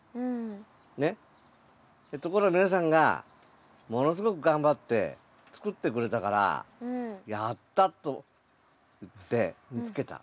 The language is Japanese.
ねっところが皆さんがものすごく頑張って作ってくれたから「やった！」といって見つけた。